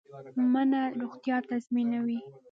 مڼه روغتیا تضمینوي